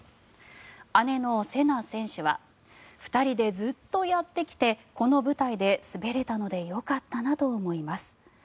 姉のせな選手は２人でずっとやってきてこの舞台で滑れたのでよかったなと思います。